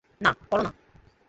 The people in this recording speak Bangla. না, করো না!